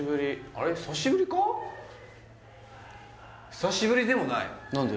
久しぶりでもない何で？